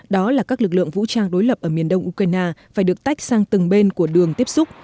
đó là các lực lượng vũ trang đối lập ở miền đông ukraine phải được tách sang từng bên của đường tiếp xúc